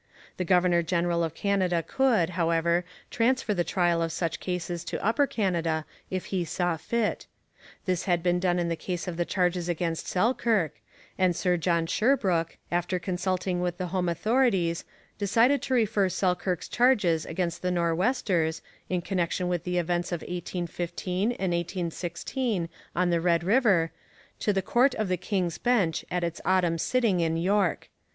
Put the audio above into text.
The governor general of Canada could, however, transfer the trial of such cases to Upper Canada, if he saw fit. This had been done in the case of the charges against Selkirk, and Sir John Sherbrooke, after consulting with the home authorities, decided to refer Selkirk's charges against the Nor'westers, in connection with the events of 1815 and 1816 on the Red River, to the court of the King's Bench at its autumn sitting in York.